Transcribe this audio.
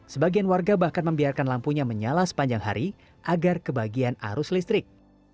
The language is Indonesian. sebagian warga bahkan membiarkan lampunya menyala sepanjang hari agar kebagian arus listrik